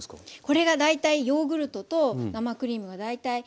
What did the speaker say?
これが大体ヨーグルトと生クリームが大体えっと１：１。